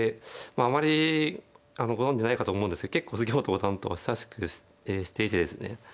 あまりご存じないかと思うんですけど結構杉本五段とは親しくしていてですね